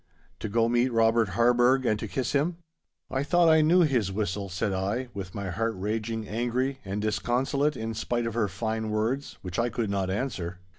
'To go meet Robert Harburgh and to kiss him. I thought I knew his whistle!' said I, with my heart raging angry and disconsolate in spite of her fine words, which I could not answer.